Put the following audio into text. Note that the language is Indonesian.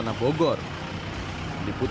nah boleh pak silahkan